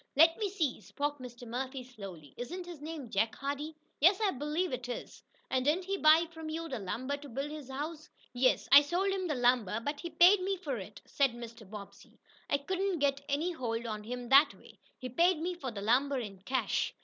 "Let me see," spoke Mr. Murphy slowly, "isn't his name Jake Hardee?" "Yes, I believe it is." "And didn't he buy from you the lumber to build his house?" "Yes, I sold him the lumber, but he paid me for it," said Mr. Bobbsey. "I couldn't get any hold on him that way. He paid for the lumber in cash."